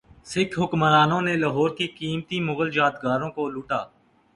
سکھ حکمرانوں نے لاہور کی قیمتی مغل یادگاروں کو لوٹا